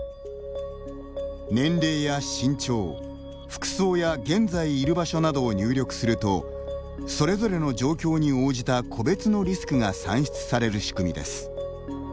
年齢や身長、服装や現在いる場所などを入力するとそれぞれの状況に応じた個別のリスクが算出される仕組みです。